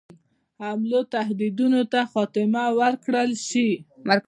حملو تهدیدونو ته خاتمه ورکړه شي.